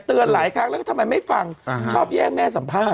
หลายครั้งแล้วก็ทำไมไม่ฟังชอบแย่งแม่สัมภาษณ